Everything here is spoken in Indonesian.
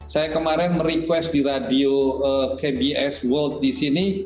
saya kemarin merequest di radio kbs world di sini